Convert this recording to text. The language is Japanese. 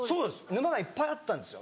沼がいっぱいあったんですよ。